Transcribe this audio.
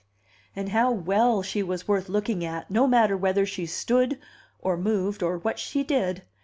And how well she was worth looking at, no matter whether she stood, or moved, or what she did!